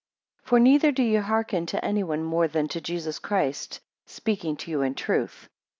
For neither do ye hearken to anyone more than to Jesus Christ speaking to you in truth.